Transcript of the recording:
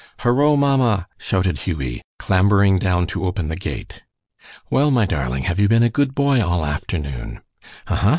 "Horo, mamma!" shouted Hughie, clambering down to open the gate. "Well, my darling! have you been a good boy all afternoon?" "Huh huh!